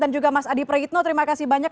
dan juga mas adi prahitno terima kasih banyak